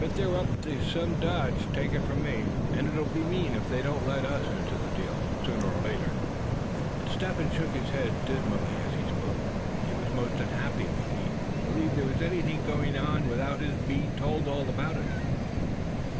But they're up to some dodge, take it from me. And it'll be mean if they don't let us into the deal, sooner or later," and Step Hen shook his head dismally as he spoke; for he was most unhappy when he believed there was anything going on without his being told all about it.